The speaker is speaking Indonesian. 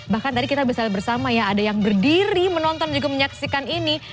bahkan tadi kita bisa lihat bersama ya ada yang berdiri menonton juga menyaksikan ini